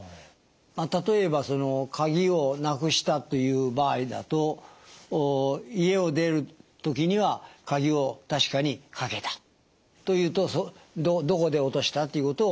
まあ例えば鍵をなくしたという場合だと家を出る時には鍵を確かにかけたというとどこで落としたということを忘れる。